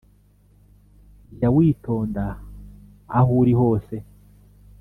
jya witonda aho uri hose